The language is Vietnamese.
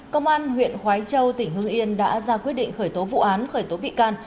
công an huyện khói châu tỉnh hương yên đã ra quyết định khởi tố vụ án khởi tố bị can